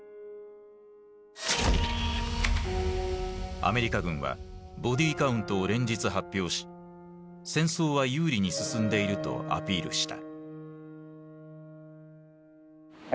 アメリカ軍はボディカウントを連日発表し戦争は有利に進んでいるとアピールした。